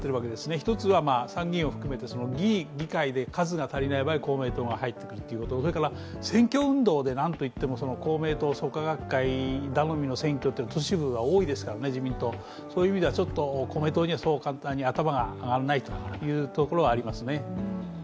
一つは参議院を含めて議会で数が足りない場合公明党が入ってくるということ、それから選挙運動で何といっても公明党、創価学会頼みの選挙っていう都市部が多いですから、自民党そういう意味では公明党にはそう簡単に頭が上がらないところがありますね。